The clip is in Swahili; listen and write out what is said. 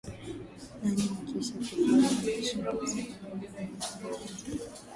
Nane na kisha kujiunga na shule ya Seminari ya Bweni iitwayo La Salle